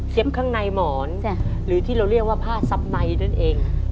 ข้างในหมอนหรือที่เราเรียกว่าผ้าซับในนั่นเอง